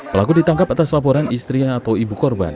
pelaku ditangkap atas laporan istri atau ibu korban